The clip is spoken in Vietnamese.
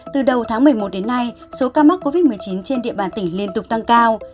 từ đầu tháng một mươi một đến nay số ca mắc covid một mươi chín trên địa bàn tỉnh liên tục tăng cao